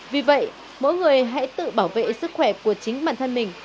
vì vậy mỗi người hãy tự bảo vệ sức khỏe của chính bản thân mình